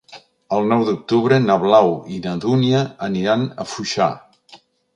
El nou d'octubre na Blau i na Dúnia aniran a Foixà.